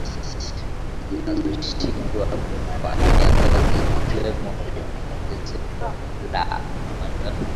zinashindwa kuyafanyia kazi likiwemo ongezeko la viwanda